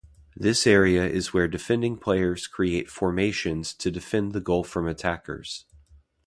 This area is where defending players create formations to defend the goal from attackers.